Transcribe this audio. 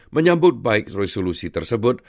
menyambut baik resolusi tersebut